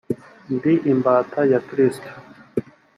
ndi imbata ya kristo